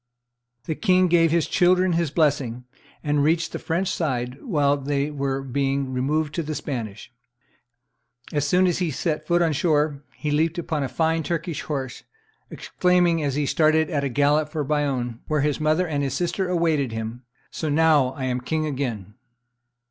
The king gave his children his blessing, and reached the French side whilst they were being removed to the Spanish; and as soon as he set foot on shore, he leaped upon a fine Turkish horse, exclaiming, as he started at a gallop for Bayonne, where his mother and his sister awaited him, "So now I am king again!"